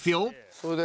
それで？